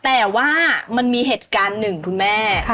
แต่ว่ามันมีเหตุการณ์หนึ่งคุณแม่